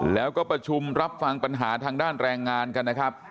แล้วก็ประชุมรับฟังปัญหาทางด้านแรงงานกันนะครับ